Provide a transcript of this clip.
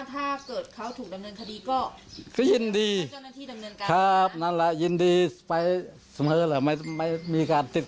ถ้าเกิดเขาถูกดำเนินคดีก็ยินดียินดีไปไม่มีการติด